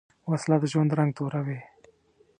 وسله د ژوند رنګ توروې